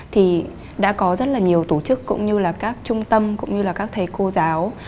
thì đã có rất là nhiều tổ chức cũng như là các trung tâm cũng như là các thầy cô giáo